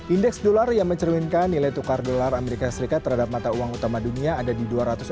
indeks dolar yang mencerminkan nilai tukar dolar as terhadap mata uang utama dunia ada di dua ratus empat tujuh